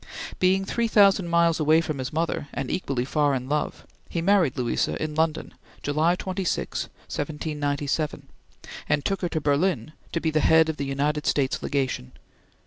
Being three thousand miles away from his mother, and equally far in love, he married Louisa in London, July 26, 1797, and took her to Berlin to be the head of the United States Legation.